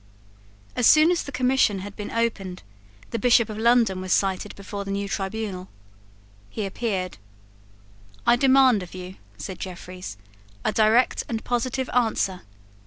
As soon as the Commission had been opened, the Bishop of London was cited before the new tribunal. He appeared. "I demand of you," said Jeffreys, "a direct and positive answer.